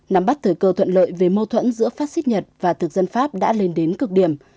nắm bắt thời cơ thuận lợi về mâu thuẫn giữa phát xít nhật và thực dân pháp đã lên đến cực điểm